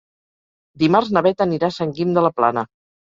Dimarts na Beth anirà a Sant Guim de la Plana.